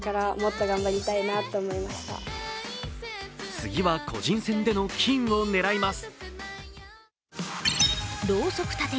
次は個人戦での金を狙います。